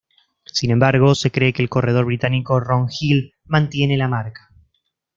Sin embargo, se cree que el corredor británico Ron Hill mantiene la marca.